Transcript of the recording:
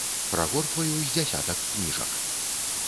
Прагортваю з дзясятак кніжак.